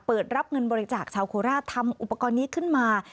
เปิดรับเงินบริจาคชาวโคราชทำอุปกรณ์นี้ขึ้นมา